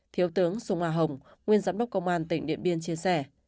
thiếu tướng dung hà hồng nguyên giám đốc công an tỉnh điện biên chia sẻ